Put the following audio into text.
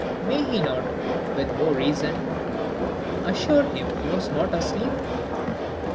May he not, with more reason, assure him he was not asleep?